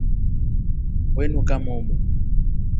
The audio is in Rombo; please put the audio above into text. We nuka momu.